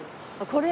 これ。